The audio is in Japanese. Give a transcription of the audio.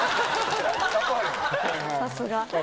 さすが。